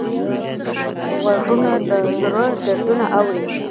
غوږونه د زړه دردونه اوري